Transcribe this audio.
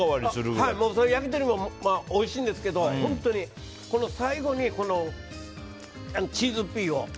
焼き鳥もおいしいんですけど最後にチーズピーを。